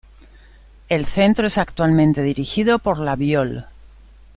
El centro es actualmente dirigido por la Biol.